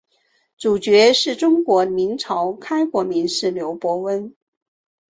主角是中国明朝开国名士刘伯温。